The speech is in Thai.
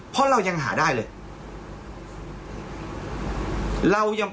เพราะเรายังหาได้เลย